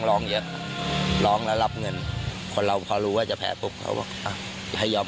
ร้องเยอะร้องแล้วรับเงินคนเราพอรู้ว่าจะแผลปุ๊บเขาก็อ่ะให้ยอม